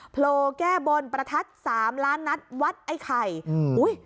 โผล่แก้บนประทัดสามล้านนัดวัดไอ้ไข่อืมอุ้ย